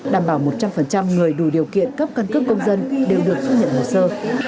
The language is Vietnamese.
đảm bảo một trăm linh người đủ điều kiện cấp căn cước công dân đều được xuất nhận hồ sơ